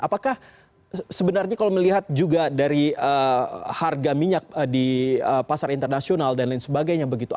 apakah sebenarnya kalau melihat juga dari harga minyak di pasar internasional dan lain sebagainya begitu